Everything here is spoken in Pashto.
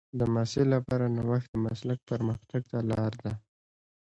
د محصل لپاره نوښت د مسلک پرمختګ ته لار ده.